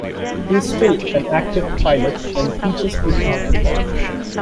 He is still an active pilot and teaches people how to fly.